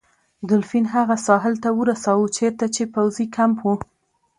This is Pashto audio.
دولفین هغه ساحل ته ورساوه چیرته چې پوځي کمپ و.